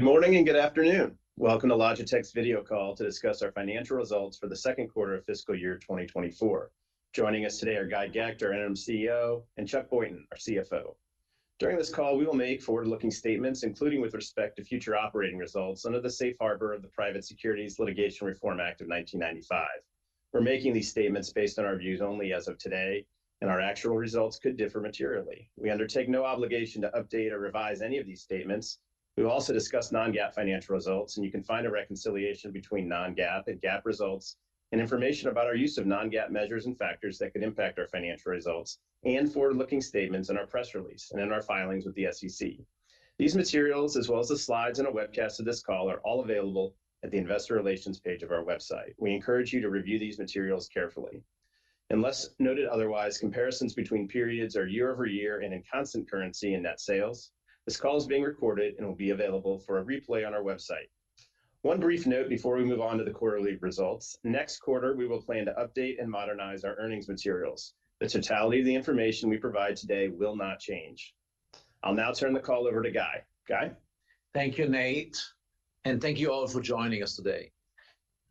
Good morning, and good afternoon. Welcome to Logitech's video call to discuss our financial results for the second quarter of fiscal year 2024. Joining us today are Guy Gecht, our Interim CEO, and Chuck Boynton, our CFO. During this call, we will make forward-looking statements, including with respect to future operating results under the safe harbor of the Private Securities Litigation Reform Act of 1995. We're making these statements based on our views only as of today, and our actual results could differ materially. We undertake no obligation to update or revise any of these statements. We'll also discuss non-GAAP financial results, and you can find a reconciliation between non-GAAP and GAAP results and information about our use of non-GAAP measures and factors that could impact our financial results and forward-looking statements in our press release and in our filings with the SEC. These materials, as well as the slides and a webcast of this call, are all available at the investor relations page of our website. We encourage you to review these materials carefully. Unless noted otherwise, comparisons between periods are year-over-year and in constant currency and net sales. This call is being recorded and will be available for a replay on our website. One brief note before we move on to the quarterly results. Next quarter, we will plan to update and modernize our earnings materials. The totality of the information we provide today will not change. I'll now turn the call over to Guy. Guy? Thank you, Nate, and thank you all for joining us today.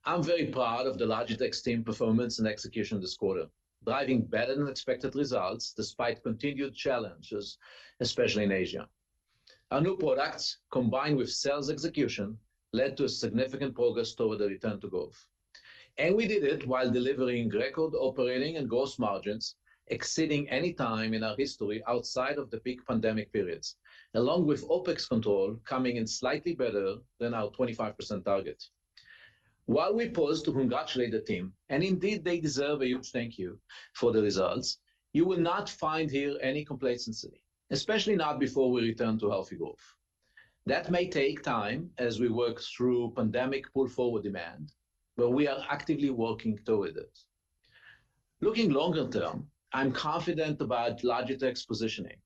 I'm very proud of Logitech's team performance and execution this quarter, driving better than expected results despite continued challenges, especially in Asia. Our new products, combined with sales execution, led to significant progress toward the return to growth. We did it while delivering record operating and gross margins, exceeding any time in our history outside of the peak pandemic periods, along with OpEx control coming in slightly better than our 25% target. While we pause to congratulate the team, and indeed they deserve a huge thank you for the results, you will not find here any complacency, especially not before we return to healthy growth. That may take time as we work through pandemic pull-forward demand, but we are actively working toward it. Looking longer term, I'm confident about Logitech's positioning.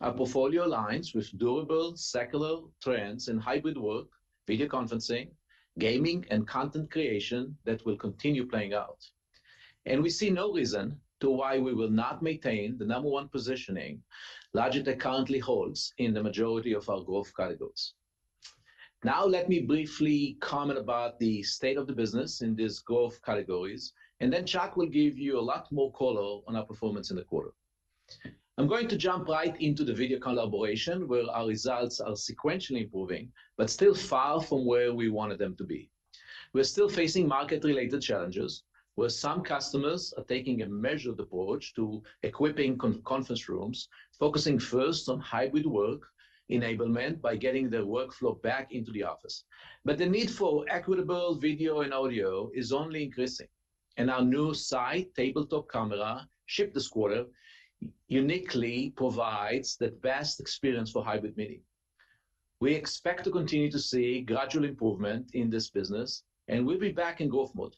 Our portfolio aligns with durable, secular trends in hybrid work, video conferencing, Gaming, and content creation that will continue playing out. And we see no reason to why we will not maintain the number one positioning Logitech currently holds in the majority of our growth categories. Now, let me briefly comment about the state of the business in these growth categories, and then Chuck will give you a lot more color on our performance in the quarter. I'm going to jump right into the video collaboration, where our results are sequentially improving but still far from where we wanted them to be. We're still facing market-related challenges, where some customers are taking a measured approach to equipping conference rooms, focusing first on hybrid work enablement by getting their workflow back into the office. But the need for equitable video and audio is only increasing, and our new Sight tabletop camera, shipped this quarter, uniquely provides the best experience for hybrid meeting. We expect to continue to see gradual improvement in this business, and we'll be back in growth mode.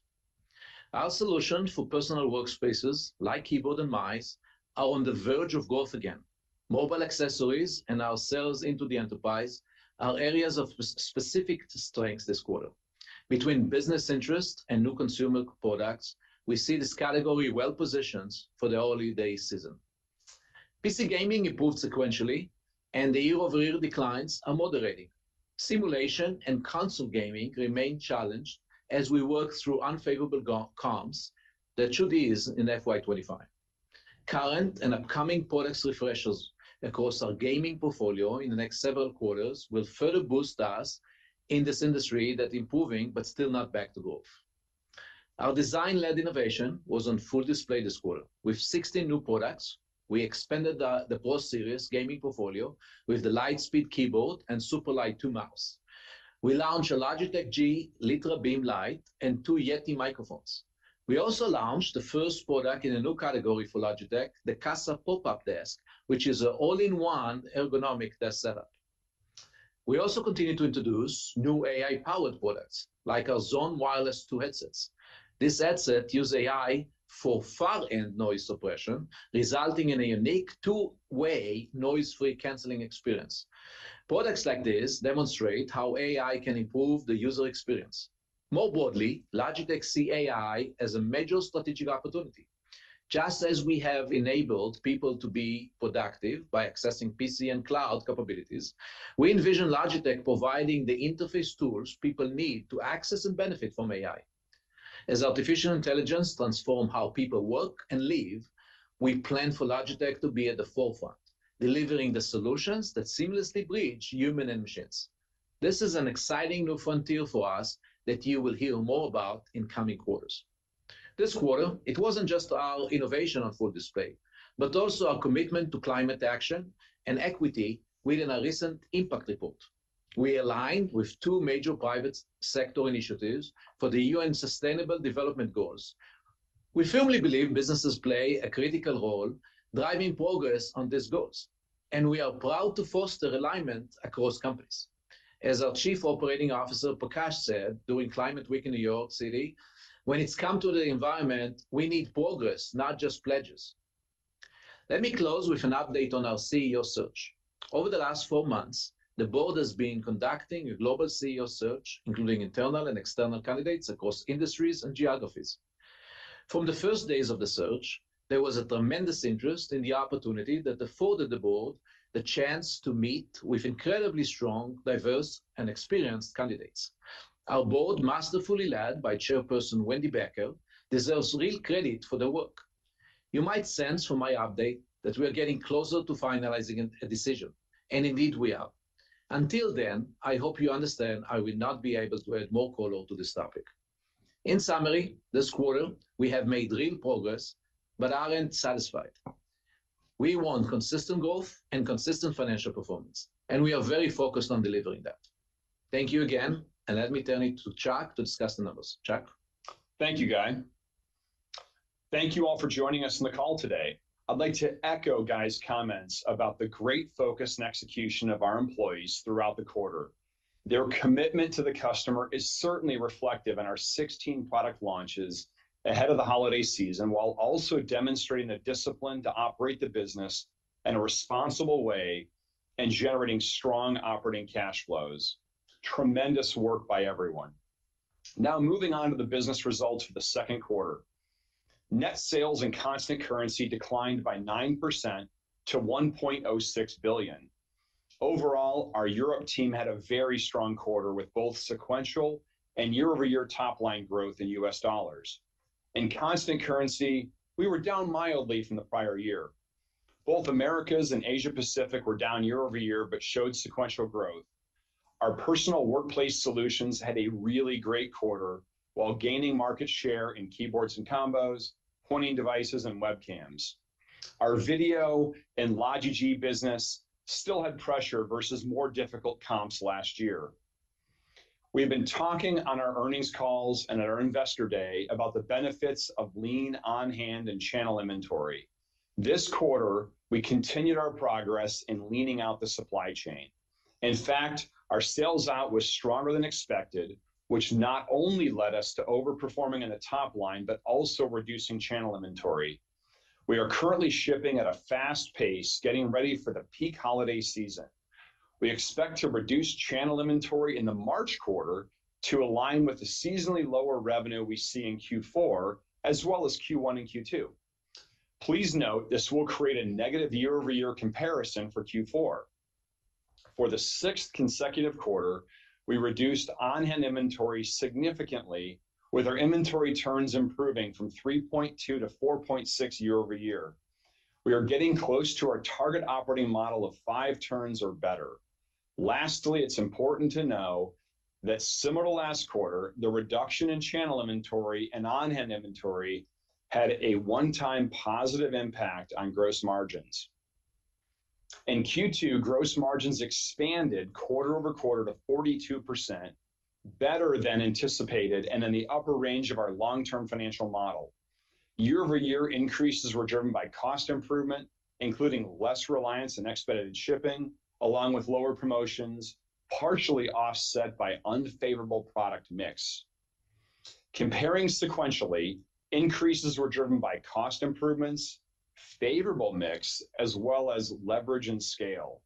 Our solution for personal workspaces, like keyboard and mice, are on the verge of growth again. Mobile accessories and our sales into the enterprise are areas of specific strengths this quarter. Between business interest and new consumer products, we see this category well-positioned for the holiday season. PC Gaming improved sequentially, and the year-over-year declines are moderating. Simulation and console gaming remain challenged as we work through unfavorable comps that should ease in FY 2025. Current and upcoming product refreshes across our Gaming portfolio in the next several quarters will further boost us in this industry that's improving but still not back to growth. Our design-led innovation was on full display this quarter. With 16 new products, we expanded the PRO Series Gaming portfolio with the LIGHTSPEED keyboard and Superlight 2 mouse. We launched a Logitech G Litra Beam light and two Yeti microphones. We also launched the first product in a new category for Logitech, the Casa Pop-Up Desk, which is an all-in-one ergonomic desk setup. We also continued to introduce new AI-powered products, like our Zone Wireless 2 headsets. This headset use AI for far-end noise suppression, resulting in a unique two-way noise-free canceling experience. Products like this demonstrate how AI can improve the user experience. More broadly, Logitech see AI as a major strategic opportunity. Just as we have enabled people to be productive by accessing PC and cloud capabilities, we envision Logitech providing the interface tools people need to access and benefit from AI. As artificial intelligence transform how people work and live, we plan for Logitech to be at the forefront, delivering the solutions that seamlessly bridge human and machines. This is an exciting new frontier for us that you will hear more about in coming quarters. This quarter, it wasn't just our innovation on full display, but also our commitment to climate action and equity within our recent impact report. We aligned with two major private sector initiatives for the UN Sustainable Development Goals. We firmly believe businesses play a critical role driving progress on these goals, and we are proud to foster alignment across companies. As our Chief Operating Officer, Prakash, said, during Climate Week in New York City, "When it's come to the environment, we need progress, not just pledges." Let me close with an update on our CEO search. Over the last four months, the board has been conducting a global CEO search, including internal and external candidates across industries and geographies. From the first days of the search, there was a tremendous interest in the opportunity that afforded the board the chance to meet with incredibly strong, diverse, and experienced candidates. Our board, masterfully led by Chairperson Wendy Becker, deserves real credit for the work. You might sense from my update that we are getting closer to finalizing a decision, and indeed we are. Until then, I hope you understand I will not be able to add more color to this topic. In summary, this quarter, we have made real progress, but aren't satisfied. We want consistent growth and consistent financial performance, and we are very focused on delivering that. Thank you again, and let me turn it to Chuck to discuss the numbers. Chuck? Thank you, Guy. Thank you all for joining us on the call today. I'd like to echo Guy's comments about the great focus and execution of our employees throughout the quarter. Their commitment to the customer is certainly reflective in our 16 product launches ahead of the holiday season, while also demonstrating the discipline to operate the business in a responsible way and generating strong operating cash flows. Tremendous work by everyone. Now, moving on to the business results for the second quarter. Net sales and constant currency declined by 9% to $1.06 billion. Overall, our Europe team had a very strong quarter, with both sequential and year-over-year top-line growth in U.S. dollars. In constant currency, we were down mildly from the prior year. Both Americas and Asia Pacific were down year over year, but showed sequential growth. Our personal workplace solutions had a really great quarter while gaining market share in keyboards and combos, pointing devices, and webcams. Our Video and Logitech G business still had pressure versus more difficult comps last year. We have been talking on our earnings calls and at our Investor Day about the benefits of lean on-hand and channel inventory. This quarter, we continued our progress in leaning out the supply chain. In fact, our sales out was stronger than expected, which not only led us to overperforming in the top line, but also reducing channel inventory. We are currently shipping at a fast pace, getting ready for the peak holiday season. We expect to reduce channel inventory in the March quarter to align with the seasonally lower revenue we see in Q4, as well as Q1 and Q2. Please note, this will create a negative year-over-year comparison for Q4. For the sixth consecutive quarter, we reduced on-hand inventory significantly, with our inventory turns improving from 3.2 to 4.6 year-over-year. We are getting close to our target operating model of five turns or better. Lastly, it's important to know that similar to last quarter, the reduction in channel inventory and on-hand inventory had a one-time positive impact on gross margins. In Q2, gross margins expanded quarter-over-quarter to 42%, better than anticipated, and in the upper range of our long-term financial model. Year-over-year increases were driven by cost improvement, including less reliance on expedited shipping, along with lower promotions, partially offset by unfavorable product mix. Comparing sequentially, increases were driven by cost improvements, favorable mix, as well as leverage and scale.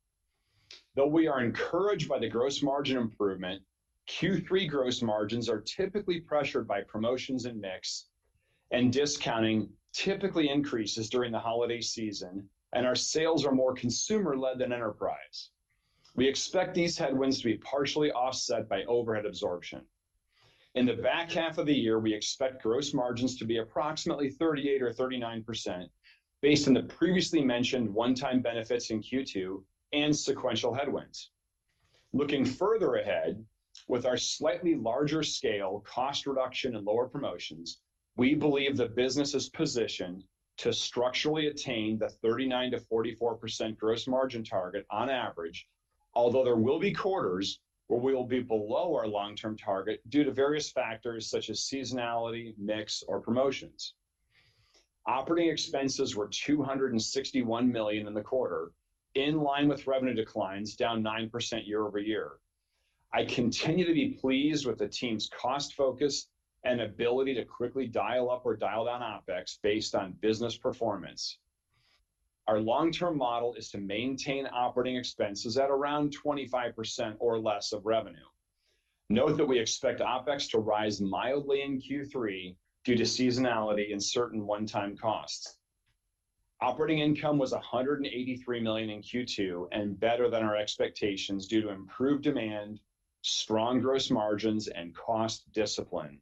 Though we are encouraged by the gross margin improvement, Q3 gross margins are typically pressured by promotions and mix, and discounting typically increases during the holiday season, and our sales are more consumer-led than enterprise. We expect these headwinds to be partially offset by overhead absorption. In the back half of the year, we expect gross margins to be approximately 38% or 39%, based on the previously mentioned one-time benefits in Q2 and sequential headwinds. Looking further ahead, with our slightly larger scale, cost reduction, and lower promotions, we believe the business is positioned to structurally attain the 39%-44% gross margin target on average, although there will be quarters where we will be below our long-term target due to various factors such as seasonality, mix, or promotions. Operating expenses were $261 million in the quarter, in line with revenue declines, down 9% year-over-year. I continue to be pleased with the team's cost focus and ability to quickly dial up or dial down OpEx based on business performance. Our long-term model is to maintain operating expenses at around 25% or less of revenue. Note that we expect OpEx to rise mildly in Q3 due to seasonality and certain one-time costs. Operating income was $183 million in Q2, and better than our expectations due to improved demand, strong gross margins, and cost discipline.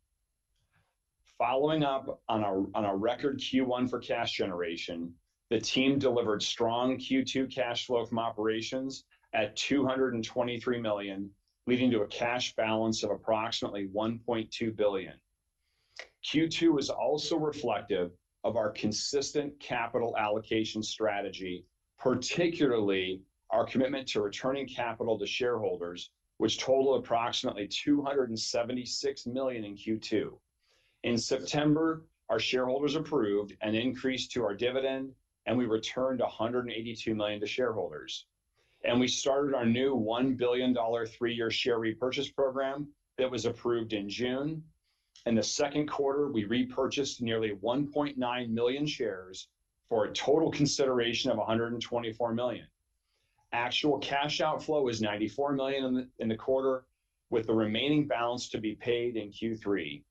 Following up on a record Q1 for cash generation, the team delivered strong Q2 cash flow from operations at $223 million, leading to a cash balance of approximately $1.2 billion. Q2 was also reflective of our consistent capital allocation strategy, particularly our commitment to returning capital to shareholders, which totaled approximately $276 million in Q2. In September, our shareholders approved an increase to our dividend, and we returned $182 million to shareholders, and we started our new $1 billion three-year share repurchase program that was approved in June. In the second quarter, we repurchased nearly 1.9 million shares for a total consideration of $124 million. Actual cash outflow is $94 million in the quarter, with the remaining balance to be paid in Q3.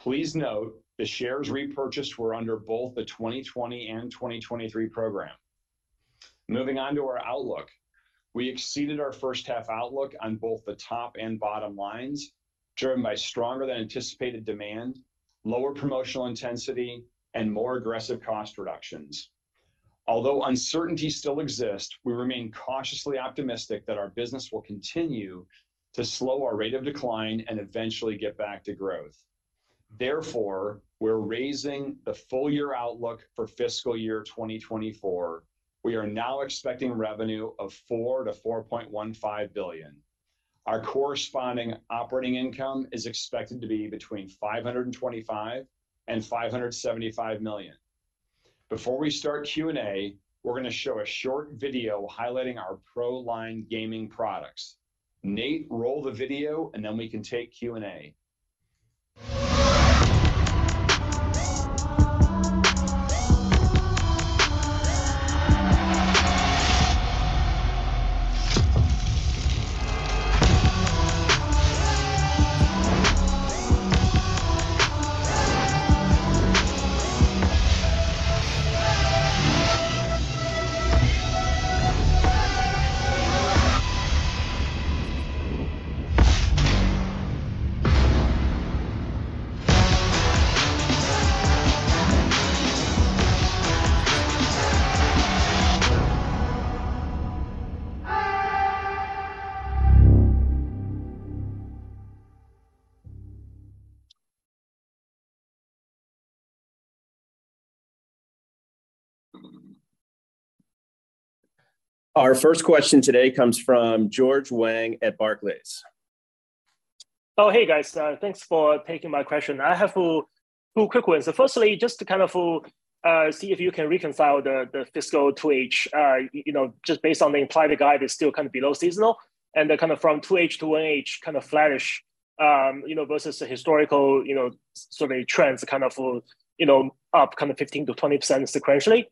Please note, the shares repurchased were under both the 2020 and 2023 program. Moving on to our outlook. We exceeded our first-half outlook on both the top and bottom lines, driven by stronger than anticipated demand, lower promotional intensity, and more aggressive cost reductions. Although uncertainties still exist, we remain cautiously optimistic that our business will continue to slow our rate of decline and eventually get back to growth. Therefore, we're raising the full-year outlook for fiscal year 2024. We are now expecting revenue of $4-$4.15 billion. Our corresponding operating income is expected to be between $525 million and $575 million. Before we start Q&A, we're gonna show a short video highlighting our PRO Line Gaming products. Nate, roll the video, and then we can take Q&A. Our first question today comes from George Wang at Barclays. Oh, hey, guys. Thanks for taking my question. I have two, two quick ones. So firstly, just to kind of see if you can reconcile the, the fiscal 2H, you know, just based on the implied guide, is still kind of below seasonal, and then kind of from 2H to 1H, kind of flattish, you know, versus the historical, you know, sort of trends, kind of, you know, up kind of 15%-20% sequentially,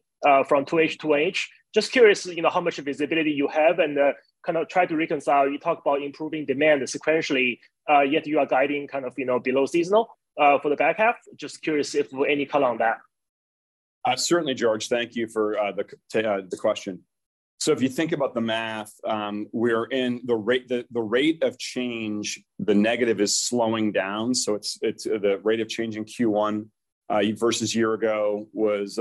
from 2H to 1H. Just curious, you know, how much visibility you have, and, kind of try to reconcile. You talk about improving demand sequentially, yet you are guiding kind of, you know, below seasonal, for the back half. Just curious if any color on that? Certainly, George. Thank you for the question. So if you think about the math, the rate of change, the negative is slowing down, so it's the rate of change in Q1 versus year ago was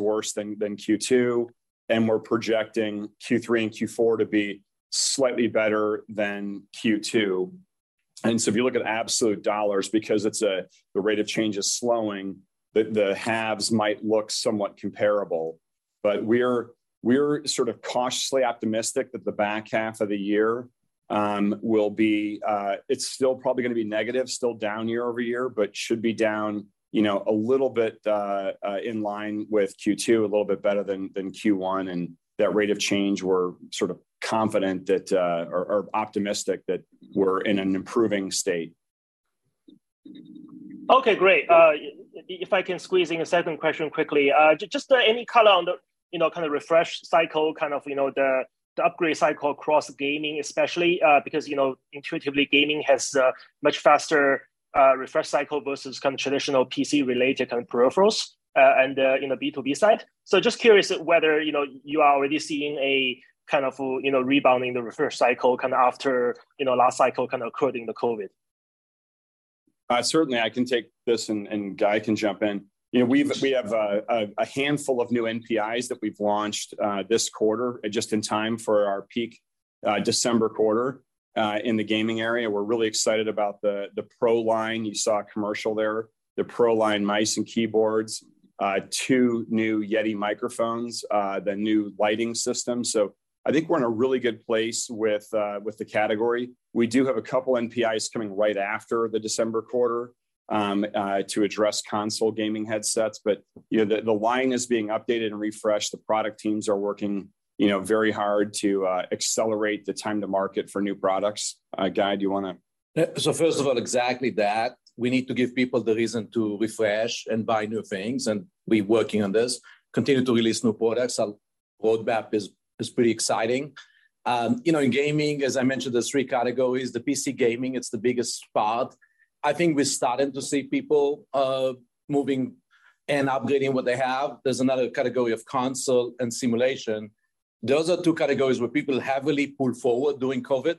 worse than Q2, and we're projecting Q3 and Q4 to be slightly better than Q2. And so if you look at absolute dollars, because it's the rate of change is slowing, the halves might look somewhat comparable. But we're sort of cautiously optimistic that the back half of the year will be, it's still probably gonna be negative, still down year-over-year, but should be down, you know, a little bit in line with Q2, a little bit better than Q1. That rate of change, we're sort of confident that or optimistic that we're in an improving state. Okay, great. If I can squeeze in a second question quickly. Just any color on the, you know, kind of refresh cycle, kind of, you know, the upgrade cycle across Gaming especially? Because, you know, intuitively, Gaming has a much faster refresh cycle versus kind of traditional PC-related kind of peripherals, and in the B2B side. So just curious whether, you know, you are already seeing a kind of rebounding the refresh cycle kind of after, you know, last cycle kind of according to COVID? Certainly, I can take this, and Guy can jump in. You know, we have a handful of new NPIs that we've launched this quarter, just in time for our peak December quarter. In the Gaming area, we're really excited about the PRO Line. You saw a commercial there, the PRO Line mice and keyboards, two new Yeti microphones, the new lighting system. So I think we're in a really good place with the category. We do have a couple NPIs coming right after the December quarter to address console gaming headsets. But, you know, the line is being updated and refreshed. The product teams are working, you know, very hard to accelerate the time to market for new products. Guy, do you wanna? So first of all, exactly that. We need to give people the reason to refresh and buy new things, and we're working on this. Continue to release new products. Our roadmap is pretty exciting. You know, in Gaming, as I mentioned, there's three categories. The PC Gaming, it's the biggest part. I think we're starting to see people moving and upgrading what they have. There're another category of console and simulation. Those are two categories where people heavily pulled forward during COVID,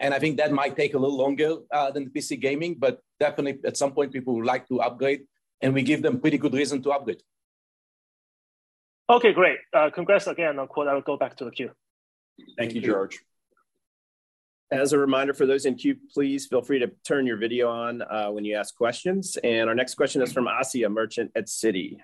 and I think that might take a little longer than the PC Gaming, but definitely at some point, people would like to upgrade, and we give them pretty good reason to upgrade. Okay, great. Congrats again. I'll go back to the queue. Thank you, George. As a reminder for those in queue, please feel free to turn your video on, when you ask questions. Our next question is from Asiya Merchant at Citi.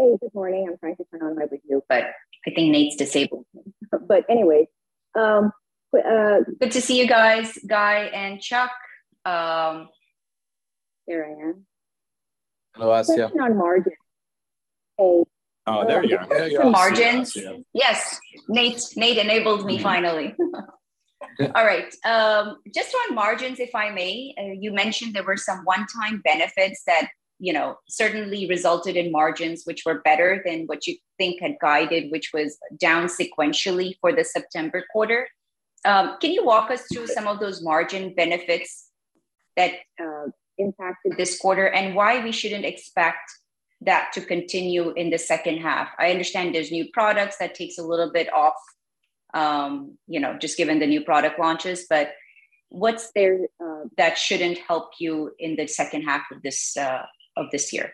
Hey, good morning. I'm trying to turn on my video, but I think Nate's disabled me. But anyway, good to see you guys, Guy and Chuck. Here I am. Hello, Asiya. Question on margin. Oh. Oh, there you are. Margin? Yeah, Asiya. Yes. Nate, Nate enabled me finally. All right, just on margins, if I may. You mentioned there were some one-time benefits that, you know, certainly resulted in margins, which were better than what you think had guided, which was down sequentially for the September quarter. Can you walk us through some of those margin benefits that impacted this quarter, and why we shouldn't expect that to continue in the second half? I understand there's new products that takes a little bit off, you know, just given the new product launches, but what's there that shouldn't help you in the second half of this, of this year?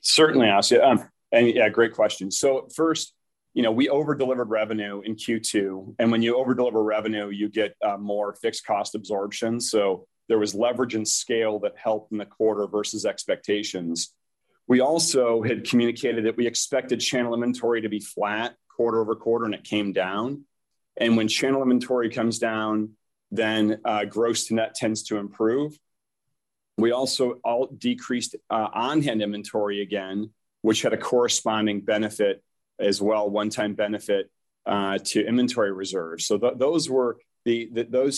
Certainly, Asiya. Yeah, great question. So at first, you know, we over-delivered revenue in Q2, and when you over-deliver revenue, you get more fixed cost absorption. So there was leverage and scale that helped in the quarter versus expectations. We also had communicated that we expected channel inventory to be flat quarter-over-quarter, and it came down. And when channel inventory comes down, gross to net tends to improve. We also decreased on-hand inventory again, which had a corresponding benefit as well, one-time benefit to inventory reserves. So those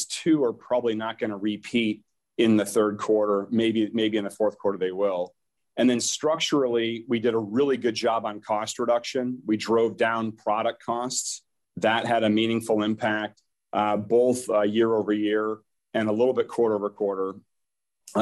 two are probably not gonna repeat in the third quarter. Maybe in the fourth quarter they will. And then structurally, we did a really good job on cost reduction. We drove down product costs. That had a meaningful impact both year-over-year and a little bit quarter-over-quarter.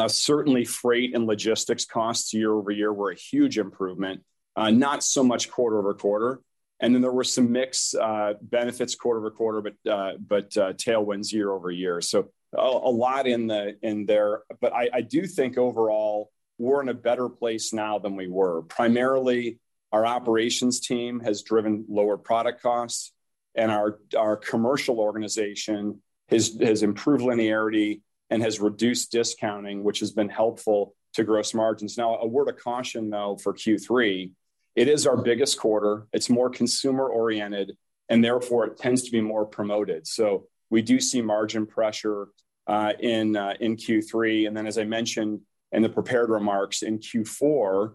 Certainly, freight and logistics costs year-over-year were a huge improvement, not so much quarter-over-quarter. And then there were some mix benefits quarter-over-quarter, but tailwinds year-over-year, so a lot in there. But I do think overall we're in a better place now than we were. Primarily, our operations team has driven lower product costs, and our commercial organization has improved linearity and has reduced discounting, which has been helpful to gross margins. Now, a word of caution, though, for Q3: it is our biggest quarter, it's more consumer-oriented, and therefore it tends to be more promoted, so we do see margin pressure in Q3. Then, as I mentioned in the prepared remarks, in Q4,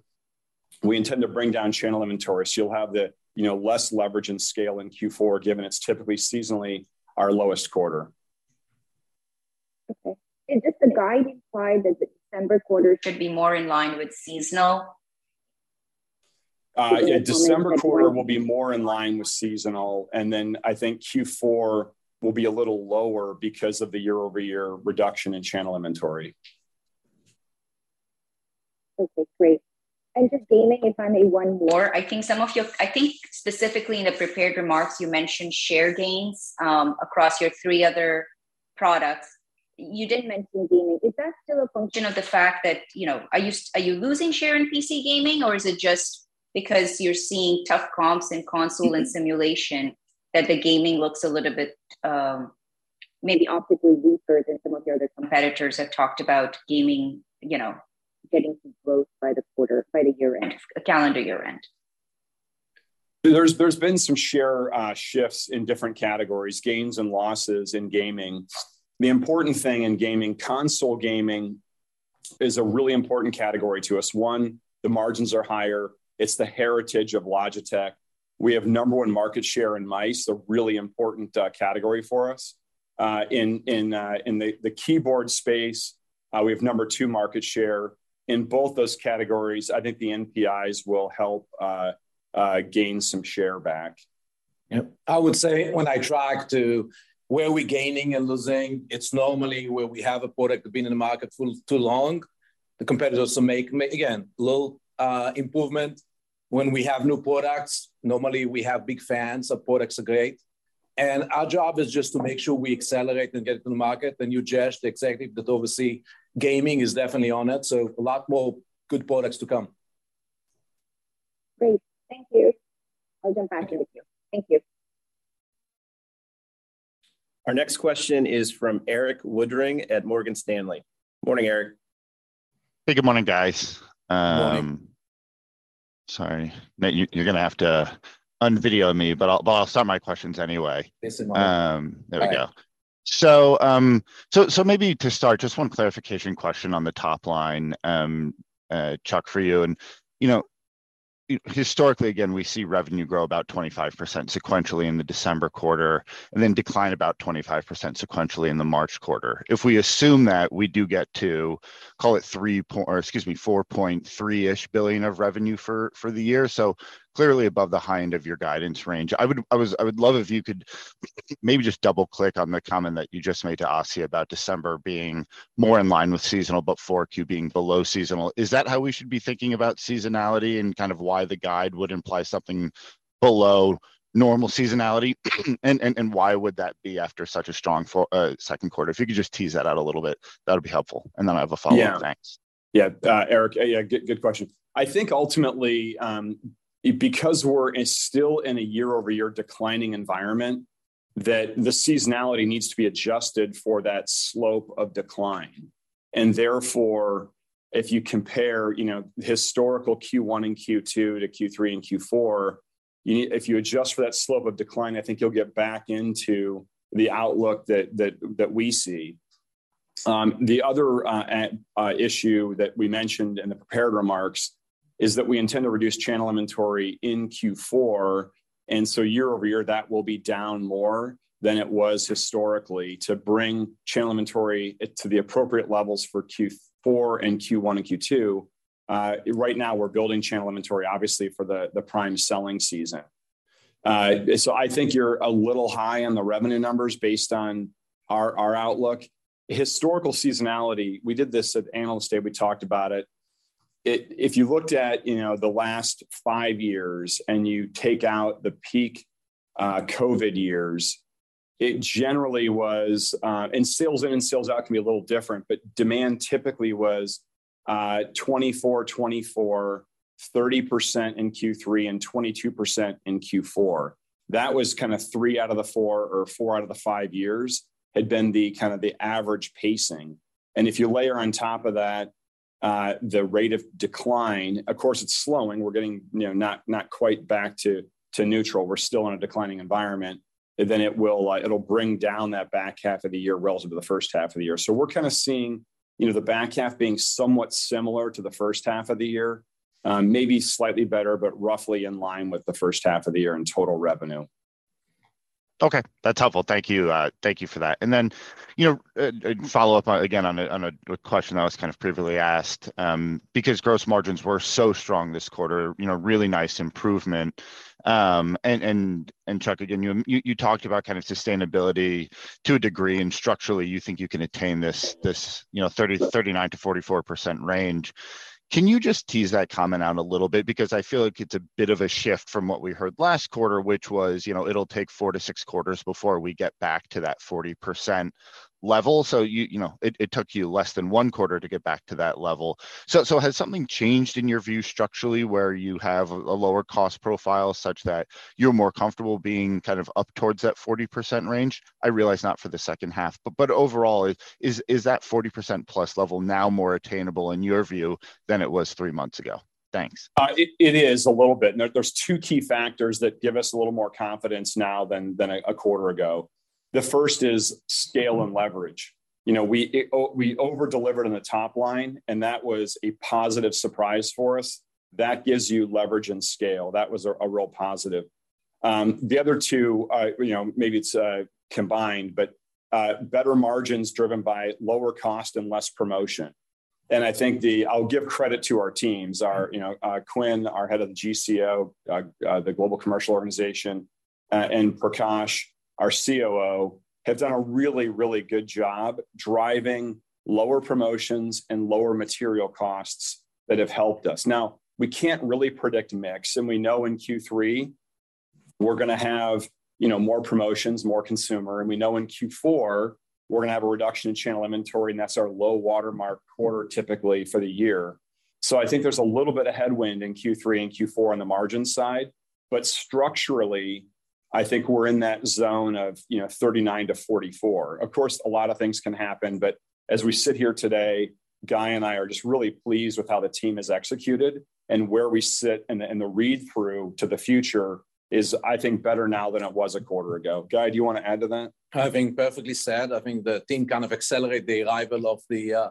we intend to bring down channel inventories. You'll have the, you know, less leverage and scale in Q4, given it's typically seasonally our lowest quarter. Okay. Is this the guide why the December quarter should be more in line with seasonal? Yeah, the December quarter will be more in line with seasonal, and then I think Q4 will be a little lower because of the year-over-year reduction in channel inventory. Okay, great. And just Gaming, if I may, one more. I think specifically in the prepared remarks, you mentioned share gains across your three other products. You didn't mention Gaming. Is that still a function of the fact that, you know... Are you losing share in PC Gaming, or is it just because you're seeing tough comps in console and simulation, that the Gaming looks a little bit, maybe optically weaker than some of your other competitors have talked about Gaming, you know, getting some growth by the quarter, by the year-end, calendar year end? There's been some share shifts in different categories, gains and losses in Gaming. The important thing in Gaming, console gaming is a really important category to us. One, the margins are higher. It's the heritage of Logitech. We have number one market share in mice, a really important category for us. In the keyboard space, we have number two market share. In both those categories, I think the NPIs will help gain some share back. Yep. I would say when I track to where we're gaining and losing, it's normally where we have a product that's been in the market for too long. The competitors will make, again, little improvement. When we have new products, normally, we have big fans. Our products are great, and our job is just to make sure we accelerate and get to the market. The new judge, the executive that oversee Gaming, is definitely on it, so a lot more good products to come. Great. Thank you. I'll get back with you. Thank you. Our next question is from Erik Woodring at Morgan Stanley. Morning, Erik. Hey, good morning, guys. Morning. Sorry, Nate, you're gonna have to un-video me, but I'll start my questions anyway. Yes, you are on. There we go. So maybe to start, just one clarification question on the top line, Chuck, for you. And, you know, historically, again, we see revenue grow about 25% sequentially in the December quarter and then decline about 25% sequentially in the March quarter. If we assume that we do get to, call it $3.3 billion or excuse me, $4.4-ish billion of revenue for the year, so clearly above the high end of your guidance range, I would love if you could maybe just double-click on the comment that you just made to Asiya about December being more in line with seasonal, but 4Q being below seasonal. Is that how we should be thinking about seasonality and kind of why the guide would imply something below normal seasonality? Why would that be after such a strong fourth quarter? If you could just tease that out a little bit, that would be helpful. And then I have a follow-up. Yeah. Thanks. Yeah, Eric, yeah, good, good question. I think ultimately, because we're still in a year-over-year declining environment, that the seasonality needs to be adjusted for that slope of decline. And therefore, if you compare, you know, historical Q1 and Q2 to Q3 and Q4, you, if you adjust for that slope of decline, I think you'll get back into the outlook that we see. The other issue that we mentioned in the prepared remarks is that we intend to reduce channel inventory in Q4, and so year over year, that will be down more than it was historically to bring channel inventory to the appropriate levels for Q4 and Q1 and Q2. Right now, we're building channel inventory, obviously, for the prime selling season. I think you're a little high on the revenue numbers based on our outlook. Historical seasonality, we did this at Analyst Day, we talked about it. If you looked at, you know, the last five years and you take out the peak COVID years, it generally was, you know... And sales in and sales out can be a little different, but demand typically was 24%, 24%, 30% in Q3 and 22% in Q4. That was kind of three out of the four or four out of the five years, had been kind of the average pacing. If you layer on top of that the rate of decline, of course, it's slowing. We're getting, you know, not quite back to neutral. We're still in a declining environment. Then it will, like, it'll bring down that back half of the year relative to the first half of the year. So we're kind of seeing, you know, the back half being somewhat similar to the first half of the year, maybe slightly better, but roughly in line with the first half of the year in total revenue. Okay, that's helpful. Thank you, thank you for that. And then, you know, a follow-up on, again, on a question that was kind of previously asked, because gross margins were so strong this quarter, you know, really nice improvement. And Chuck, again, you talked about kind of sustainability to a degree, and structurally, you think you can attain this, this, you know, 39%-44% range. Can you just tease that comment out a little bit? Because I feel like it's a bit of a shift from what we heard last quarter, which was, you know, it'll take four to six quarters before we get back to that 40% level. So you know, it took you less than 1 quarter to get back to that level. So, has something changed in your view structurally, where you have a lower cost profile such that you're more comfortable being kind of up towards that 40% range? I realize not for the second half, but overall, is that 40%+ level now more attainable in your view than it was three months ago? Thanks. It is a little bit, and there's two key factors that give us a little more confidence now than a quarter ago. The first is scale and leverage. You know, we over-delivered on the top line, and that was a positive surprise for us. That gives you leverage and scale. That was a real positive. You know, maybe it's combined, but better margins driven by lower cost and less promotion. And I think I'll give credit to our teams. You know, Quin, our head of the GCO, the Global Commercial Organization, and Prakash, our COO, have done a really, really good job driving lower promotions and lower material costs that have helped us. Now, we can't really predict mix, and we know in Q3, we're gonna have, you know, more promotions, more consumer, and we know in Q4, we're gonna have a reduction in channel inventory, and that's our low-water mark quarter typically for the year. So I think there's a little bit of headwind in Q3 and Q4 on the margin side, but structurally, I think we're in that zone of, you know, 39%-44%. Of course, a lot of things can happen, but as we sit here today, Guy and I are just really pleased with how the team has executed and where we sit, and the read-through to the future is, I think, better now than it was a quarter ago. Guy, do you want to add to that? I think perfectly said. I think the team kind of accelerate the arrival of the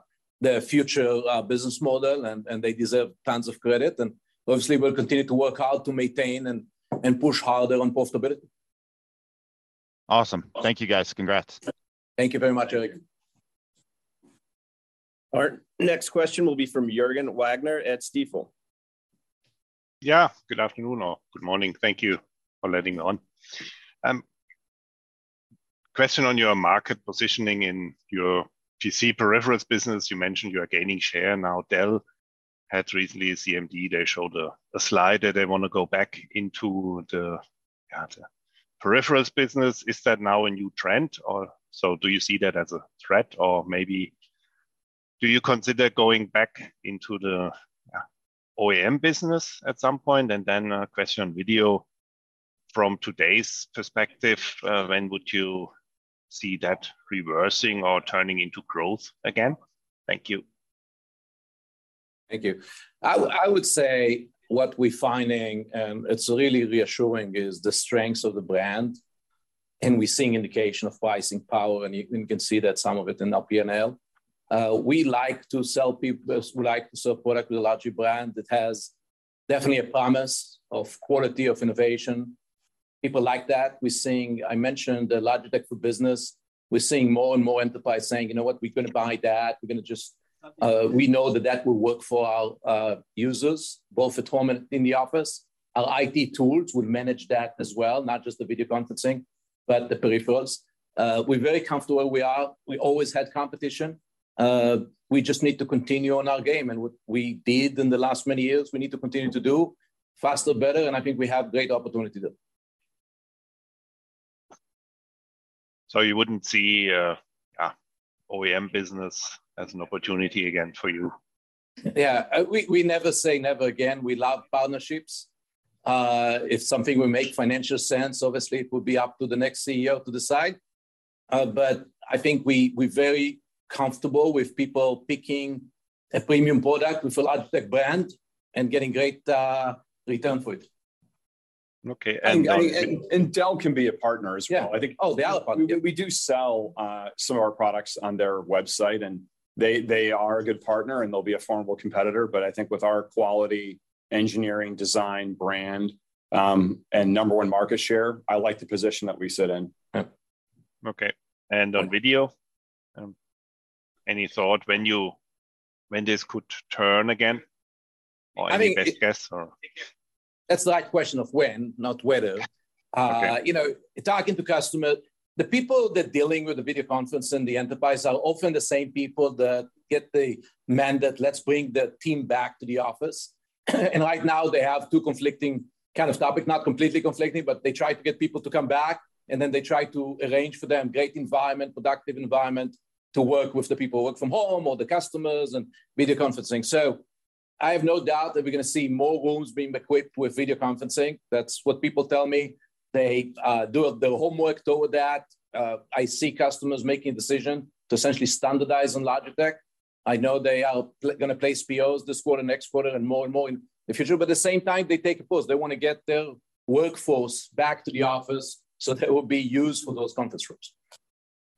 future business model, and they deserve tons of credit. And obviously, we'll continue to work hard to maintain and push harder on profitability. Awesome. Thank you, guys. Congrats. Thank you very much, Erik. Our next question will be from Jürgen Wagner at Stifel. Yeah. Good afternoon or good morning. Thank you for letting me on. Question on your market positioning in your PC peripherals business. You mentioned you are gaining share. Now, Dell had recently a CMD. They showed a slide that they want to go back into the peripherals business. Is that now a new trend or... So do you see that as a threat, or maybe do you consider going back into the OEM business at some point? And then a question on video. From today's perspective, when would you see that reversing or turning into growth again? Thank you. Thank you. I would say what we're finding, it's really reassuring, is the strengths of the brand, and we're seeing indication of pricing power, and you can see that some of it in our P&L. We like to sell product with a larger brand that has definitely a promise of quality, of innovation. People like that. We're seeing. I mentioned the Logitech for Business. We're seeing more and more enterprise saying, "You know what? We're gonna buy that. We're gonna we know that that will work for our users, both at home and in the office. Our IT tools will manage that as well, not just the video conferencing, but the peripherals." We're very comfortable where we are. We always had competition. We just need to continue on our game, and what we did in the last many years, we need to continue to do faster, better, and I think we have great opportunity there. You wouldn't see, yeah, OEM business as an opportunity again for you? Yeah, we never say never again. We love partnerships. If something will make financial sense, obviously, it would be up to the next CEO to decide. But I think we're very comfortable with people picking a premium product with a Logitech brand and getting great return for it. Okay, Dell can be a partner as well. Yeah. I think- Oh, yeah, we do sell some of our products on their website, and they are a good partner, and they'll be a formidable competitor. But I think with our quality, engineering, design, brand, and number one market share, I like the position that we sit in. Yep. Okay, and on Video, any thought when this could turn again, or any? I think- Best guess, or? That's the right question of when, not whether. Okay. You know, talking to customer, the people that dealing with the video conference in the enterprise are often the same people that get the mandate, "Let's bring the team back to the office." And right now, they have two conflicting kind of topic, not completely conflicting, but they try to get people to come back, and then they try to arrange for them great environment, productive environment, to work with the people who work from home or the customers and video conferencing. So I have no doubt that we're gonna see more rooms being equipped with video conferencing. That's what people tell me. They do their homework over that. I see customers making decision to essentially standardize on Logitech. I know they are gonna place POs this quarter, next quarter, and more and more in the future. But the same time, they take a pause. They wanna get their workforce back to the office, so there will be use for those conference rooms.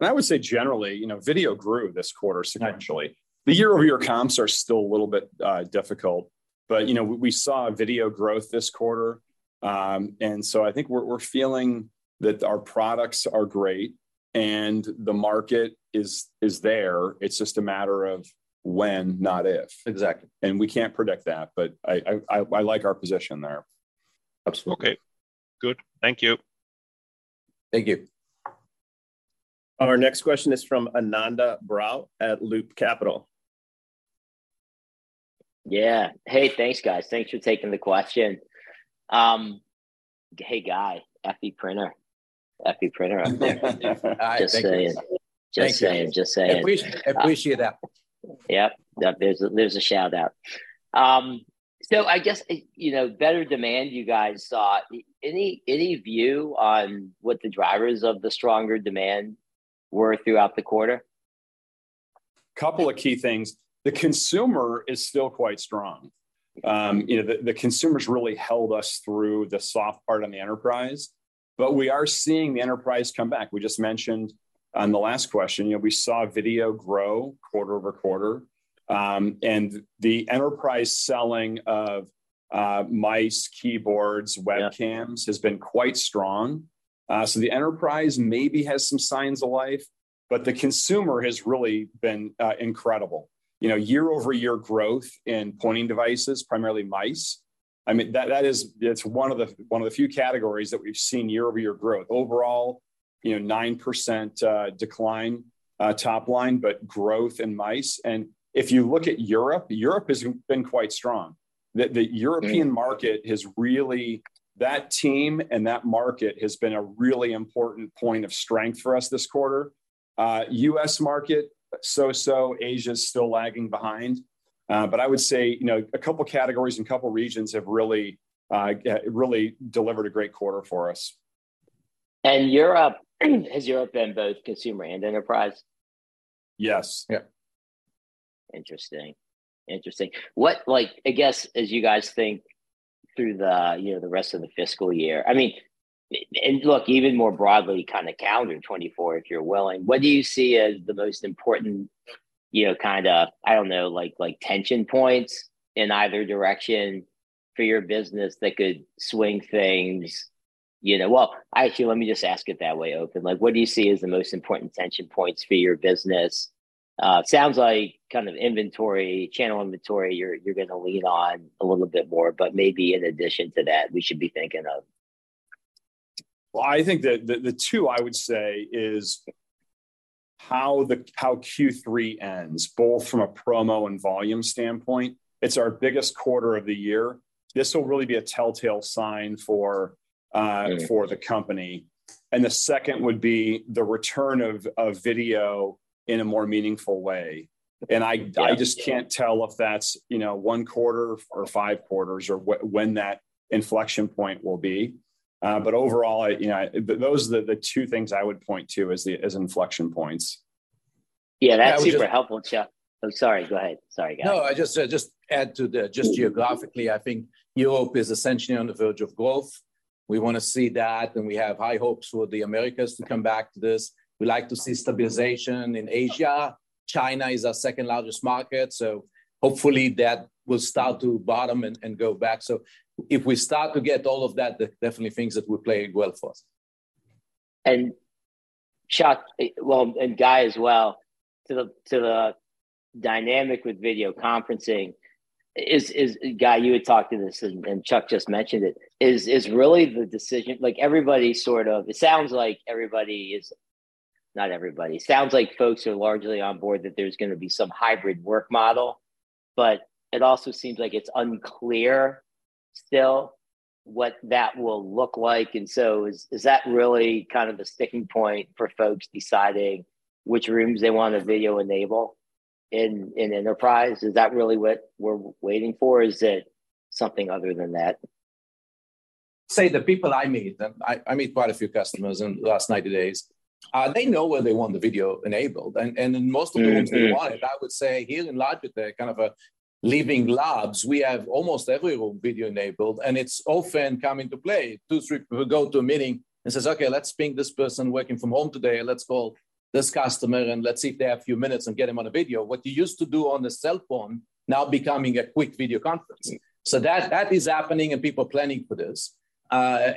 I would say generally, you know, Video grew this quarter sequentially. Yeah. The year-over-year comps are still a little bit difficult, but, you know, we saw Video growth this quarter. And so I think we're feeling that our products are great, and the market is there. It's just a matter of when, not if. Exactly. We can't predict that, but I like our position there. Absolutely. Okay. Good. Thank you. Thank you. Our next question is from Ananda Baruah at Loop Capital. Yeah. Hey, thanks, guys. Thanks for taking the question. Hey, Guy, happy printer, happy printer out there. Hi, thank you. Just saying. Thank you. Just saying, just saying. Appreciate that. Yep, yep, there's a shout-out. So I guess, you know, better demand, you guys saw. Any view on what the drivers of the stronger demand were throughout the quarter? Couple of key things. The consumer is still quite strong. You know, the consumers really held us through the soft part on the enterprise, but we are seeing the enterprise come back. We just mentioned on the last question, you know, we saw video grow quarter-over-quarter. And the enterprise selling of mice, keyboards, webcams, has been quite strong. So the Enterprise maybe has some signs of life, but the Consumer has really been incredible. You know, year-over-year growth in pointing devices, primarily mice, I mean, that is – it's one of the few categories that we've seen year-over-year growth. Overall, you know, 9% decline, top line, but growth in mice, and if you look at Europe, Europe has been quite strong. The, the European market has really, that team and that market has been a really important point of strength for us this quarter. U.S. market, so-so, Asia's still lagging behind, but I would say, you know, a couple of categories and couple regions have really really delivered a great quarter for us. Europe, has Europe been both Consumer and Enterprise? Yes. Yeah. Interesting. Interesting. What, like, I guess, as you guys think through the, you know, the rest of the fiscal year, I mean, and look, even more broadly, kind of calendar 2024, if you're willing, what do you see as the most important, you know, kind of, I don't know, like, like, tension points in either direction for your business that could swing things, you know? Well, actually, let me just ask it that way, open. Like, what do you see as the most important tension points for your business? Sounds like kind of inventory, channel inventory, you're gonna lean on a little bit more, but maybe in addition to that, we should be thinking of. Well, I think the two, I would say, is how the- how Q3 ends, both from a promo and volume standpoint. It's our biggest quarter of the year. This will really be a telltale sign for for the company. The second would be the return of video in a more meaningful way. Yeah. I just can't tell if that's, you know, one quarter or five quarters or when that inflection point will be. But overall, I you know... But those are the two things I would point to as the inflection points. Yeah, that's- I would just-... super helpful, Chuck. I'm sorry, go ahead. Sorry, Guy. No, just geographically, I think Europe is essentially on the verge of growth. We wanna see that, and we have high hopes for the Americas to come back to this. We like to see stabilization in Asia. China is our second largest market, so hopefully that will start to bottom and go back. So if we start to get all of that, that's definitely things that will play well for us. Chuck, well, and Guy as well, to the dynamic with video conferencing is... Guy, you had talked to this, and Chuck just mentioned it, is really the decision, like everybody, sort of, it sounds like everybody is, not everybody, it sounds like folks are largely on board, that there's gonna be some hybrid work model, but it also seems like it's unclear still what that will look like. And so is that really kind of a sticking point for folks deciding which rooms they want to video enable in enterprise? Is that really what we're waiting for, or is it something other than that? Say, the people I meet, and I meet quite a few customers in the last 90 days. They know where they want the video enabled. And in most of the rooms- Mm, mm They want it. I would say here in Logitech, kind of, living labs, we have almost every room video-enabled, and it's often come into play. Two, three – we go to a meeting and say, "Okay, let's ping this person working from home today, and let's call this customer, and let's see if they have a few minutes and get them on a video." What you used to do on the cell phone now becoming a quick video conference. So that, that is happening, and people are planning for this.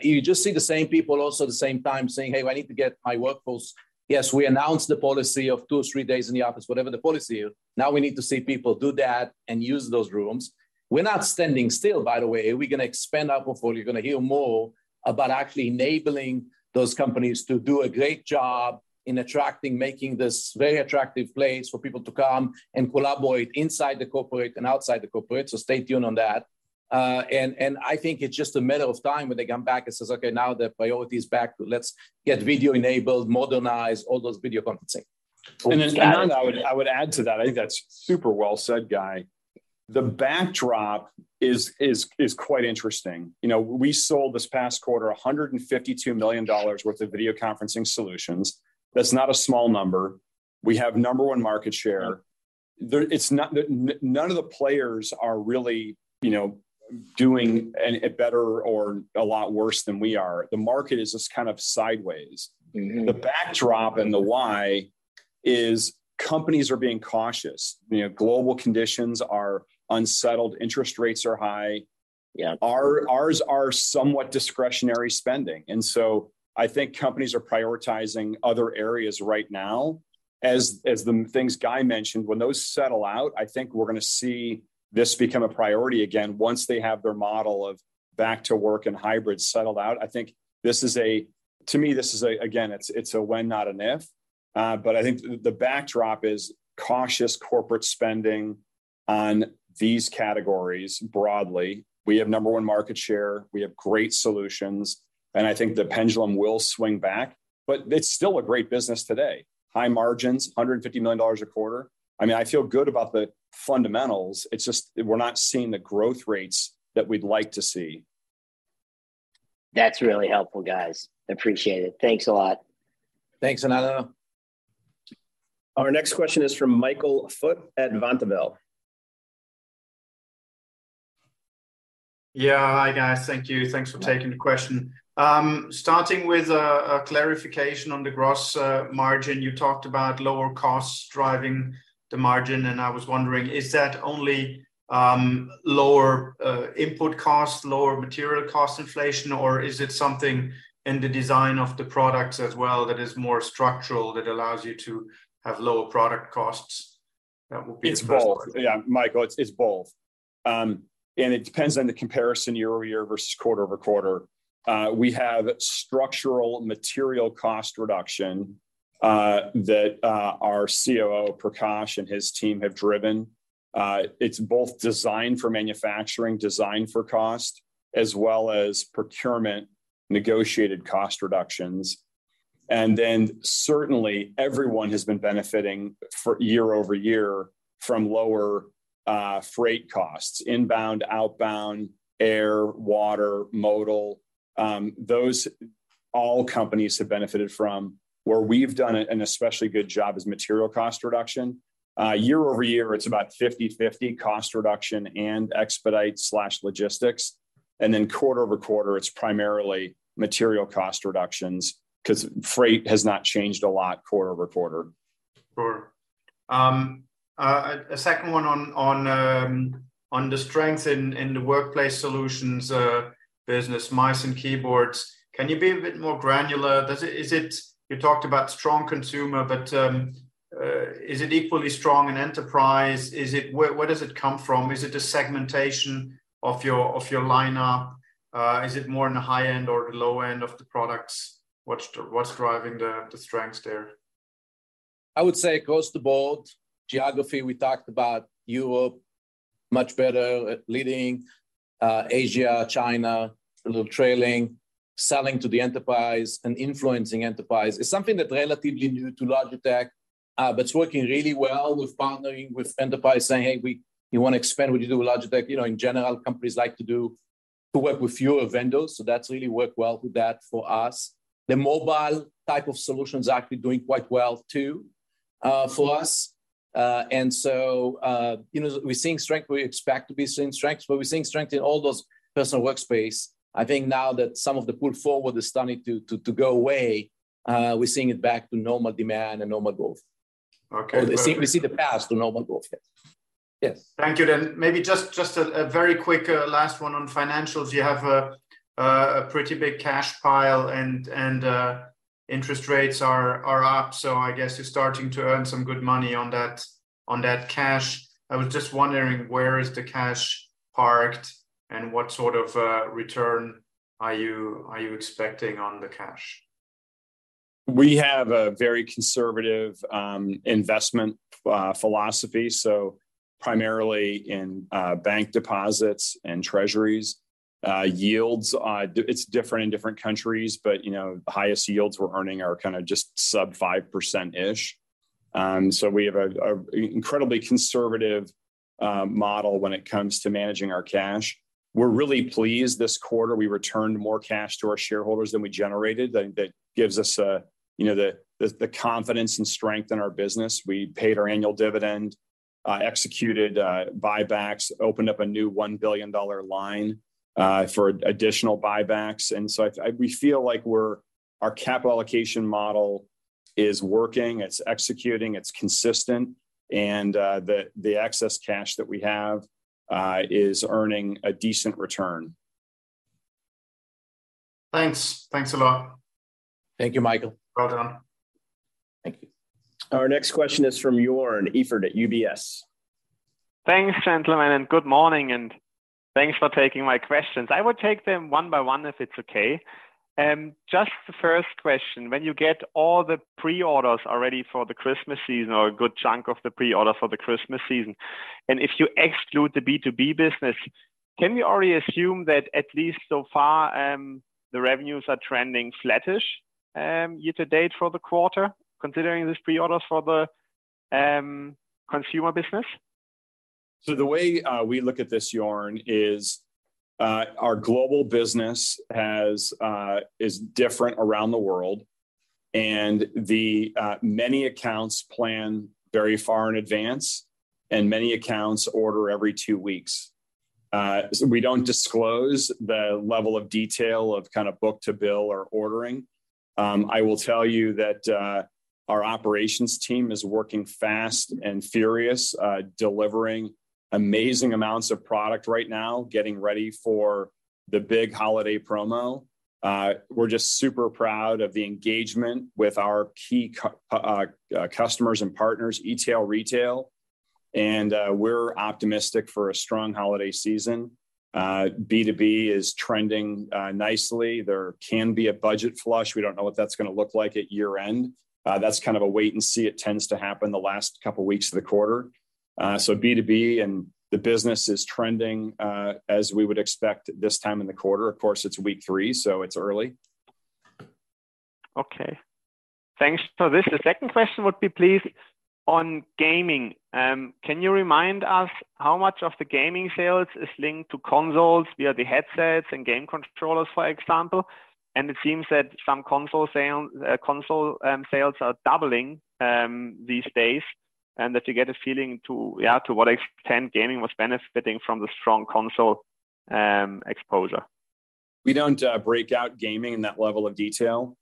You just see the same people also at the same time saying, "Hey, I need to get my workforce..." Yes, we announced the policy of two or three days in the office, whatever the policy is. Now we need to see people do that and use those rooms. We're not standing still, by the way. We're gonna expand our portfolio. You're gonna hear more about actually enabling those companies to do a great job in attracting, making this very attractive place for people to come and collaborate inside the corporate and outside the corporate, so stay tuned on that. And I think it's just a matter of time when they come back and says, "Okay, now the priority is back to let's get video-enabled, modernize all those video conferencing. Ananda, I would add to that. I think that's super well said, Guy. The backdrop is quite interesting. You know, we sold this past quarter $152 million worth of video conferencing solutions. That's not a small number. We have number one market share. There, it's not... none of the players are really, you know, doing it better or a lot worse than we are. The market is just kind of sideways. Mm-hmm. The backdrop and the why is companies are being cautious. You know, global conditions are unsettled, interest rates are high. Yeah. Ours are somewhat discretionary spending, and so I think companies are prioritizing other areas right now. As the things Guy mentioned, when those settle out, I think we're gonna see this become a priority again once they have their model of back to work and hybrid settled out. I think this is a—to me, this is a, again, it's a when, not an if. But I think the backdrop is cautious corporate spending on these categories broadly. We have number one market share, we have great solutions, and I think the pendulum will swing back, but it's still a great business today. High margins, $150 million a quarter. I mean, I feel good about the fundamentals. It's just that we're not seeing the growth rates that we'd like to see. That's really helpful, guys. Appreciate it. Thanks a lot. Thanks, Ananda. Our next question is from Michael Foeth at Vontobel. Yeah. Hi, guys. Thank you. Thanks for taking the question. Starting with a clarification on the gross margin. You talked about lower costs driving the margin, and I was wondering, is that only lower input costs, lower material cost inflation, or is it something in the design of the products as well that is more structural, that allows you to have lower product costs? That would be the first part. It's both. Yeah, Michael, it's, it's both. And it depends on the comparison year-over-year versus quarter-over-quarter. We have structural material cost reduction that our COO, Prakash, and his team have driven. It's both design for manufacturing, design for cost, as well as procurement-negotiated cost reductions. And then, certainly, everyone has been benefiting for year-over-year from lower freight costs, inbound, outbound, air, water, modal. Those, all companies have benefited from. Where we've done an especially good job is material cost reduction. Year-over-year, it's about 50/50 cost reduction and expedite/logistics. And then quarter-over-quarter, it's primarily material cost reductions, 'cause freight has not changed a lot quarter-over-quarter. Sure. A second one on the strength in the workplace solutions business, mice, and keyboards. Can you be a bit more granular? You talked about strong consumer, but is it equally strong in enterprise? Where does it come from? Is it the segmentation of your lineup? Is it more in the high end or the low end of the products? What's driving the strengths there? I would say across the board, geography, we talked about Europe, much better at leading, Asia, China, a little trailing. Selling to the enterprise and influencing enterprise is something that's relatively new to Logitech, but it's working really well with partnering with enterprise, saying, "Hey, we, you want to expand what you do with Logitech?" You know, in general, companies like to do, to work with fewer vendors, so that's really worked well with that for us. The mobile type of solutions are actually doing quite well, too, for us. And so, you know, we're seeing strength where we expect to be seeing strengths, but we're seeing strength in all those personal workspace. I think now that some of the pull forward is starting to, to, to go away, we're seeing it back to normal demand and normal growth. Okay. We see, we see the path to normal growth, yes. Yes. Thank you. Then maybe just a very quick last one on financials. You have a pretty big cash pile, and interest rates are up, so I guess you're starting to earn some good money on that cash. I was just wondering, where is the cash parked, and what sort of return are you expecting on the cash? We have a very conservative investment philosophy, so primarily in bank deposits and treasuries. Yields it's different in different countries, but, you know, the highest yields we're earning are kind of just sub-5%-ish. So we have an incredibly conservative model when it comes to managing our cash. We're really pleased this quarter we returned more cash to our shareholders than we generated. That gives us a, you know, the confidence and strength in our business. We paid our annual dividend, executed buybacks, opened up a new $1 billion line for additional buybacks, and so we feel like our capital allocation model is working, it's executing, it's consistent, and the excess cash that we have is earning a decent return. Thanks. Thanks a lot. Thank you, Michael. Well done. Thank you. Our next question is from Joern Iffert at UBS. Thanks, gentlemen, and good morning, and thanks for taking my questions. I will take them one by one, if it's okay. Just the first question, when you get all the pre-orders already for the Christmas season, or a good chunk of the pre-order for the Christmas season, and if you exclude the B2B business, can we already assume that at least so far, the revenues are trending flattish, year to date for the quarter, considering these pre-orders for the Consumer business? So the way we look at this, Joern, is our Global business has is different around the world, and the many accounts plan very far in advance, and many accounts order every two weeks. So we don't disclose the level of detail of kind of book to bill or ordering. I will tell you that our operations team is working fast and furious, delivering amazing amounts of product right now, getting ready for the big holiday promo. We're just super proud of the engagement with our key customers and partners, e-tail, retail, and we're optimistic for a strong holiday season. B2B is trending nicely. There can be a budget flush. We don't know what that's gonna look like at year-end. That's kind of a wait and see. It tends to happen the last couple of weeks of the quarter. So B2B and the business is trending, as we would expect this time in the quarter. Of course, it's week three, so it's early. Okay. Thanks for this. The second question would be, please, on Gaming. Can you remind us how much of the Gaming sales is linked to consoles via the headsets and game controllers, for example? It seems that some console sales are doubling these days, and to what extent Gaming was benefiting from the strong console exposure. We don't break out Gaming in that level of detail.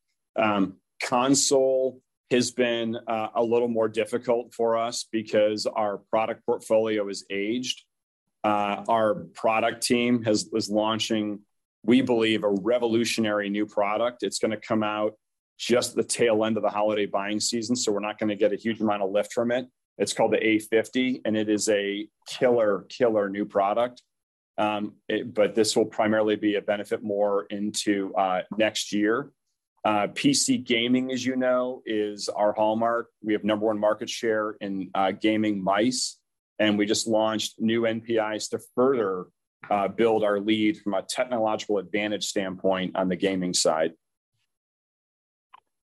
Console has been a little more difficult for us because our product portfolio is aged. Our product team is launching, we believe, a revolutionary new product. It's gonna come out just the tail end of the holiday buying season, so we're not gonna get a huge amount of lift from it. It's called the A50, and it is a killer, killer new product. But this will primarily be a benefit more into next year. PC Gaming, as you know, is our hallmark. We have number one market share in gaming mice, and we just launched new NPIs to further build our lead from a technological advantage standpoint on the Gaming side.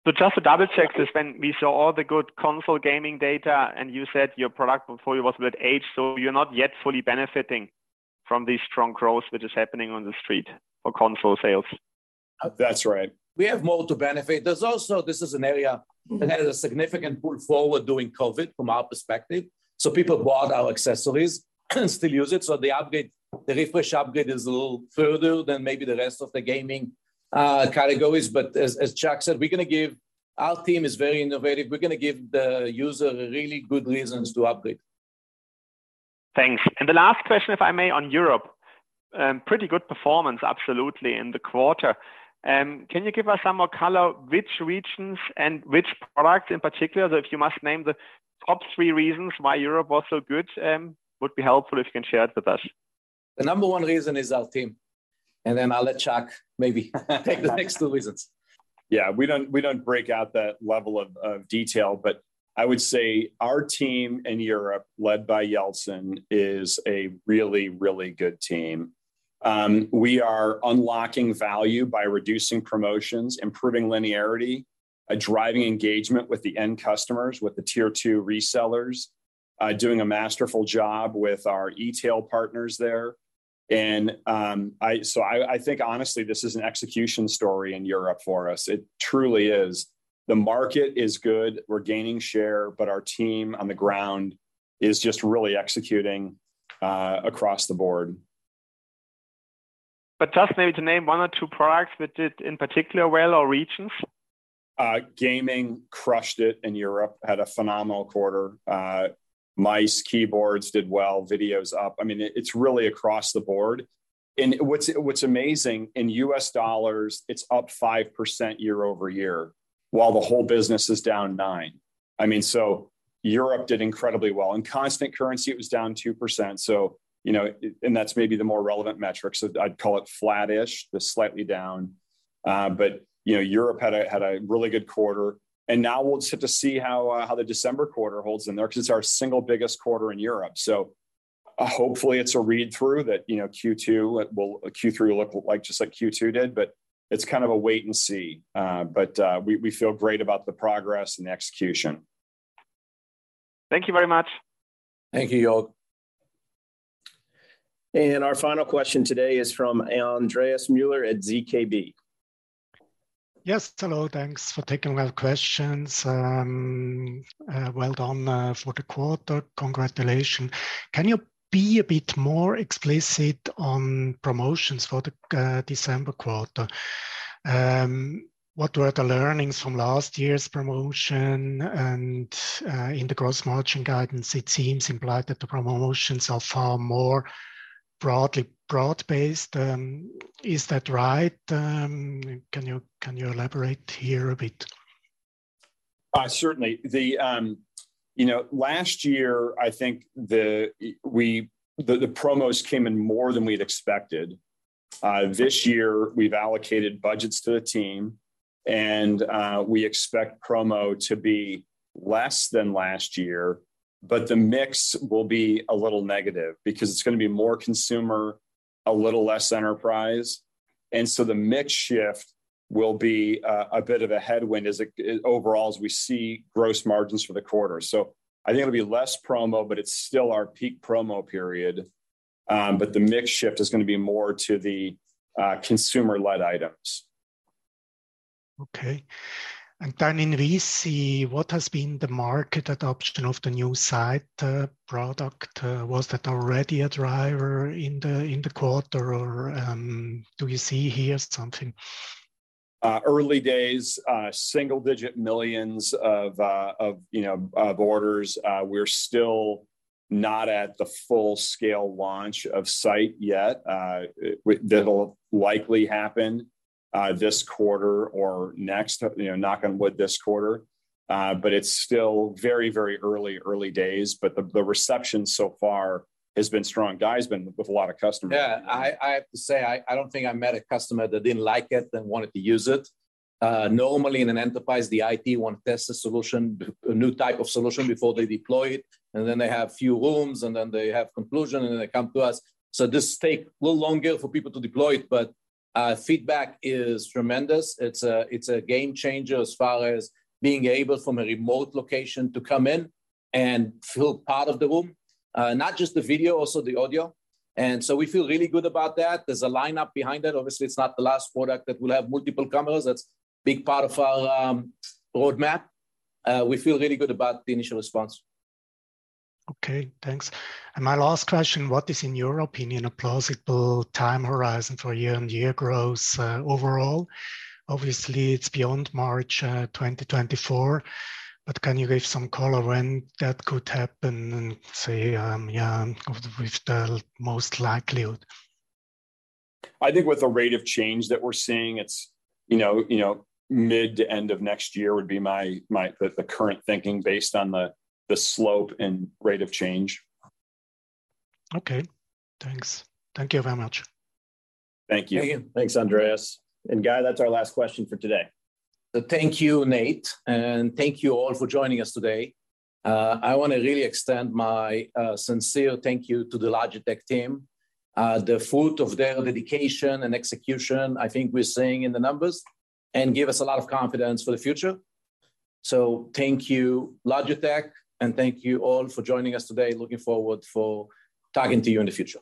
So just to double-check this, when we saw all the good console gaming data, and you said your product portfolio was a bit aged, so you're not yet fully benefiting from the strong growth, which is happening on the street for console sales? That's right. We have more to benefit. There's also, this is an area that had a significant pull forward during COVID, from our perspective, so people bought our accessories and still use it, so the upgrade, the refresh upgrade is a little further than maybe the rest of the gaming categories. But as Chuck said, we're gonna give. Our team is very innovative. We're gonna give the user really good reasons to upgrade. Thanks. The last question, if I may, on Europe. Pretty good performance, absolutely, in the quarter. Can you give us some more color which regions and which products in particular, that if you must name the top three reasons why Europe was so good, would be helpful if you can share it with us? The number one reason is our team, and then I'll let Chuck maybe take the next two reasons. Yeah, we don't, we don't break out that level of, of detail, but I would say our team in Europe, led by Yalcin, is a really, really good team. We are unlocking value by reducing promotions, improving linearity, driving engagement with the end customers, with the tier two resellers, doing a masterful job with our e-tail partners there. And, So I, I think, honestly, this is an execution story in Europe for us. It truly is. The market is good. We're gaining share, but our team on the ground is just really executing, across the board. Just maybe to name one or two products which did in particular well, or regions? Gaming crushed it in Europe, had a phenomenal quarter. Mice, keyboards did well, video's up. I mean, it's really across the board. And what's amazing, in U.S. dollars, it's up 5% year-over-year, while the whole business is down 9%. I mean, so Europe did incredibly well. In constant currency, it was down 2%, so you know, and that's maybe the more relevant metric. So I'd call it flattish, just slightly down. But, you know, Europe had a really good quarter, and now we'll just have to see how the December quarter holds in there, 'cause it's our single biggest quarter in Europe. So, hopefully, it's a read-through that, you know, Q2, Q3 will look like just like Q2 did, but it's kind of a wait and see. But we feel great about the progress and execution. Thank you very much. Thank you, Jürgen. Our final question today is from Andreas Müller at ZKB. Yes, hello. Thanks for taking my questions. Well done for the quarter. Congratulations. Can you be a bit more explicit on promotions for the December quarter? What were the learnings from last year's promotion? And in the gross margin guidance, it seems implied that the promotions are far more broadly broad-based. Is that right? Can you, can you elaborate here a bit? Certainly. You know, last year, I think the promos came in more than we'd expected. This year, we've allocated budgets to the team, and we expect promo to be less than last year, but the mix will be a little negative because it's gonna be more consumer, a little less enterprise. And so the mix shift will be a bit of a headwind overall as we see gross margins for the quarter. So I think it'll be less promo, but it's still our peak promo period. But the mix shift is gonna be more to the consumer-led items. Okay. And then in VC, what has been the market adoption of the new Sight product? Was that already a driver in the quarter, or do you see here something? Early days, single-digit millions of orders. We're still not at the full-scale launch of Sight yet. That'll likely happen this quarter or next, you know, knock on wood, this quarter. But it's still very, very early, early days, but the reception so far has been strong. Guy's been with a lot of customers. Yeah, I have to say, I don't think I met a customer that didn't like it and wanted to use it. Normally, in an enterprise, the IT want to test the solution, a new type of solution before they deploy it, and then they have few rooms, and then they have conclusion, and then they come to us. So this take little longer for people to deploy it, but feedback is tremendous. It's a game-changer as far as being able, from a remote location, to come in and feel part of the room. Not just the video, also the audio, and so we feel really good about that. There's a lineup behind it. Obviously, it's not the last product that will have multiple cameras. That's a big part of our roadmap. We feel really good about the initial response. Okay, thanks. My last question, what is, in your opinion, a plausible time horizon for year-on-year growth overall? Obviously, it's beyond March 2024, but can you give some color when that could happen and say with the most likelihood? I think with the rate of change that we're seeing, it's, you know, mid to end of next year would be my, the current thinking based on the slope and rate of change. Okay, thanks. Thank you very much. Thank you. Thank you. Thanks, Andreas. Guy, that's our last question for today. Thank you, Nate, and thank you all for joining us today. I wanna really extend my sincere thank you to the Logitech team. The fruit of their dedication and execution, I think we're seeing in the numbers, and give us a lot of confidence for the future. So thank you, Logitech, and thank you all for joining us today. Looking forward for talking to you in the future.